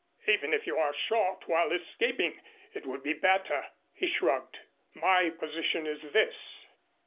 Even if you are shot while escaping it would be better." He shrugged. "My position is this.